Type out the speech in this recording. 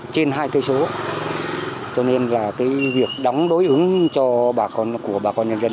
trên hai cây số cho nên là việc đóng đối ứng cho bà con của bà con nhân dân